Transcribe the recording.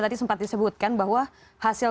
tadi sempat disebutkan bahwa hasil